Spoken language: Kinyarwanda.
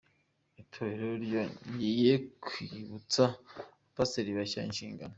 Itorero ryongeye kwibutsa abapasiteri bashya inshingano